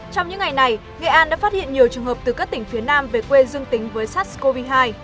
trong những ngày này nghệ an đã phát hiện nhiều trường hợp từ các tỉnh phía nam về quê dương tính với sars cov hai